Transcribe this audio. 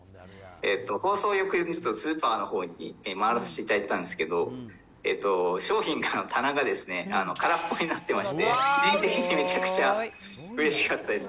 放送翌日にスーパーのほうに回らせていただいたんですけれども、商品の棚が空っぽになってまして、個人的にめちゃくちゃうれしかったです。